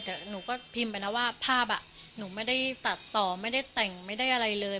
แต่หนูก็พิมพ์ไปนะว่าภาพหนูไม่ได้ตัดต่อไม่ได้แต่งไม่ได้อะไรเลย